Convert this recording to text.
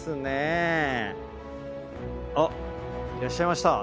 あっいらっしゃいました。